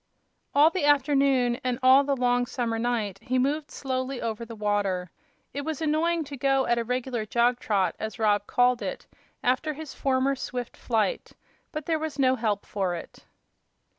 All the afternoon and all the long summer night he moved slowly over the water. It was annoying to go at "a reg'lar jog trot," as Rob called it, after his former swift flight; but there was no help for it.